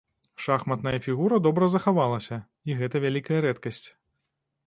Шахматная фігура добра захавалася, і гэта вялікая рэдкасць.